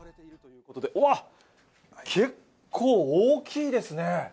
わっ、結構大きいですね。